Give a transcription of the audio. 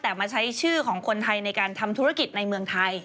แต่มาใช้ชื่อของคนไทยในการทำธุรกิจในเมืองไทย